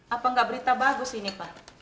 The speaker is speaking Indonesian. apa gak berita bagus ini pa